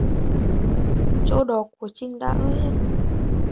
Chỗ đó của trinh đã ướt hết